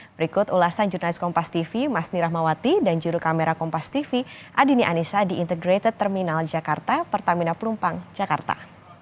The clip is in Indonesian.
berikut ulasan jurnalis kompastv mas nira mawati dan juru kamera kompastv adini anissa di integrated terminal jakarta pertamina pelumpang jakarta